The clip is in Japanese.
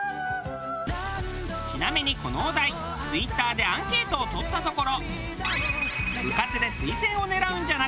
ちなみにこのお題Ｔｗｉｔｔｅｒでアンケートを取ったところ。